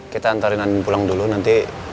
kita antarin pulang dulu nanti